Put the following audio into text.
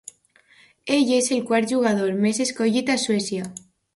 Ell és el quart jugador més escollit a Suècia.